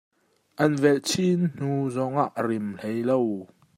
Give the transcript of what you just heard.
An velh chin hnu zongah a rim hlei lo.